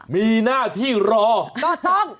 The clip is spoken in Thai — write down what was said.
มีหน้าที่รอก็ต้อง